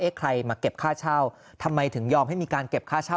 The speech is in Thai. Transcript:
ใครมาเก็บค่าเช่าทำไมถึงยอมให้มีการเก็บค่าเช่า